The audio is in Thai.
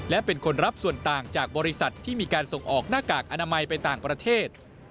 และเป็นคนรับส่วนต่างจากบริษัทที่มีการส่งออกหน้ากากอนามัยไปต่างประเทศ